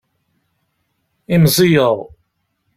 Imẓiyeɣ.